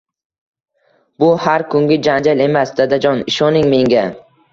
Bu har kungi janjal emas, dadajon, ishoning menga